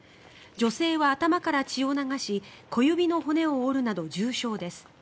女性は頭から血を流し小指の骨を折るなど重傷です。